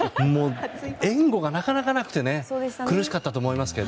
援護がなかなかなくて苦しかったと思いますが。